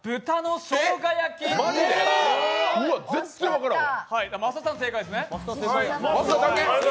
全然分からんわ。